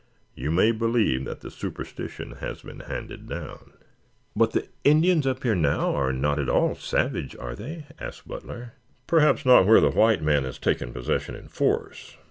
You may believe that the superstition has been handed down." "But the Indians up here now are not at all savage, are they?" asked Butler. "Perhaps not where the white man has taken possession in force.